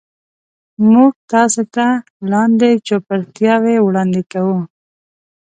موږ تاسو ته لاندې چوپړتیاوې وړاندې کوو.